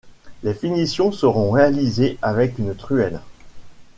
les finitions seront réalisées avec une truelle